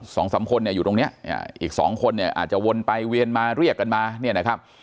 สองสามคนเนี่ยอยู่ตรงเนี้ยอ่าอีกสองคนเนี่ยอาจจะวนไปเวียนมาเรียกกันมาเนี่ยนะครับ